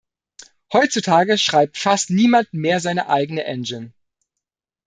Heutzutage schreibt fast niemand mehr seine eigene Engine.